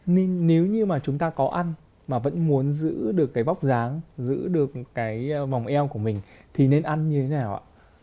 nên nếu như mà chúng ta có ăn mà vẫn muốn giữ được cái bóc dáng giữ được cái màu eo của mình thì nên ăn như thế nào ạ